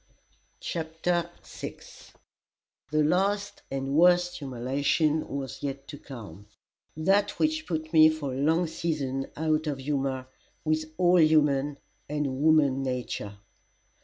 CHAPTER VI The last and worst humiliation was yet to come that which put me for a long season out of humour with all human and woman nature.